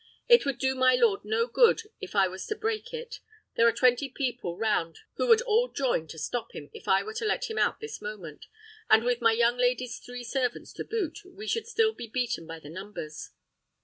It would do my lord no good if I was to break it: there are twenty people round about who would all join to stop him if I were to let him out this moment, and with my young lady's three servants to boot, we should still be beaten by the numbers.